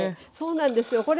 そうなんですよ